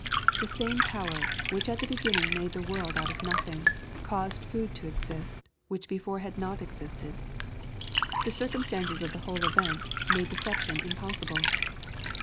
The same power which LUKE, CHAP. IX. 301 at the beginning made the world out of nothing, caused food to exist, which before had not existed. The circum stances of the whole event made deception impossible.